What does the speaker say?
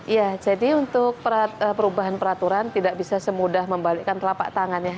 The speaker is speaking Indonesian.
ya jadi untuk perubahan peraturan tidak bisa semudah membalikkan telapak tangan ya